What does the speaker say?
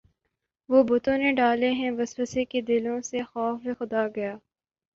وہ بتوں نے ڈالے ہیں وسوسے کہ دلوں سے خوف خدا گیا